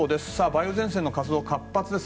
梅雨前線の活動は活発です。